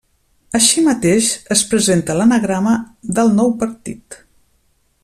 Així mateix, es presenta l'anagrama del nou partit.